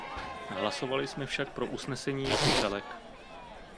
Hlasovali jsme však pro usnesení jako celek.